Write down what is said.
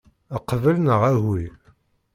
Qbel neɣ agi.